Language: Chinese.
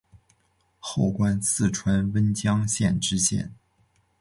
后官四川温江县知县。